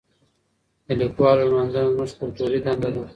د لیکوالو لمانځنه زموږ کلتوري دنده ده.